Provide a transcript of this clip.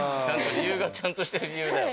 ちゃんとしてる理由だよ。